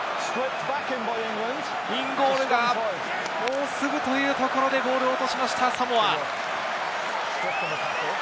インゴールがもうすぐというところでボールを落としました、サモア。